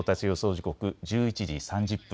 時刻１１時３０分。